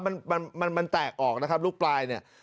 มันมันแตกออกนะครับลูกปลายเนี่ย